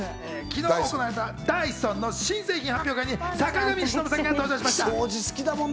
昨日行われたダイソンの新製品発表会に坂上忍さんが登場しました。